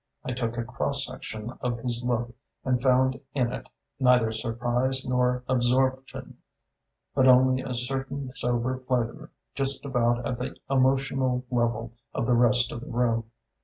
I took a cross section of his look and found in it neither surprise nor absorption, but only a certain sober pleasure just about at the emotional level of the rest of the room.